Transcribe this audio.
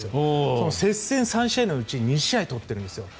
その接戦３試合のうち２試合を取っているんですよ。